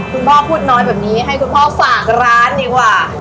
คุณพ่อพูดน้อยแบบนี้ให้คุณพ่อฝากร้านดีกว่า